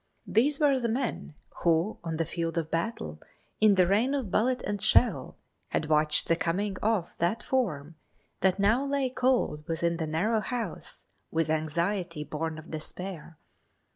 These were the men who on the field of battle, in the rain of bullet and shell, had watched the coming of that form, that now lay cold within the narrow house, with anxiety born of despair.